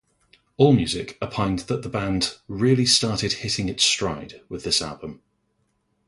AllMusic opined that the band "really started hitting its stride" with this album.